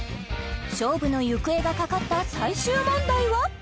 勝負の行方がかかった最終問題は？